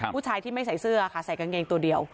ผู้ชายที่ไม่ใส่เสื้อค่ะใส่กางเกงตัวเดียว